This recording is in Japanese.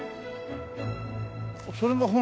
それが本堂？